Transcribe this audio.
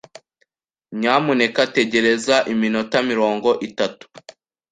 Nyamuneka tegereza iminota mirongo itatu.